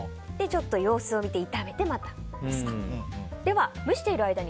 ちょっと様子を見て炒めて、またふたをすると。